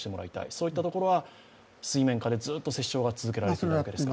こういったところは水面下でずっと折衝が続けられているわけですか？